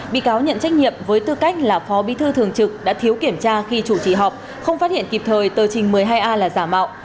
bị cáo nhận trách nhiệm với tư cách là phó bí thư thường trực đã thiếu kiểm tra khi chủ trì họp không phát hiện kịp thời tờ trình một mươi hai a là giả mạo